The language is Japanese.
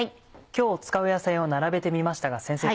今日使う野菜を並べてみましたが先生